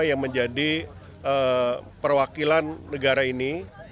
yang menjadi perwakilan negara ini